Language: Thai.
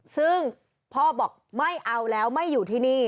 ซึ่งพ่อบอกไม่เอาแล้วไม่อยู่ที่นี่